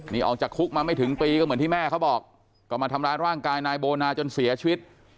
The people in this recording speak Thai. นี่ออกจากคุกมาไม่ถึงปีก็เหมือนที่แม่เขาบอกก็มาทำร้ายร่างกายนายโบนาจนเสียชีวิต